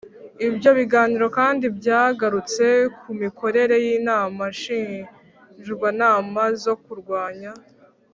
Ibyo biganiro kandi byagarutse ku mikorere y inama ngishwanama zo kurwanya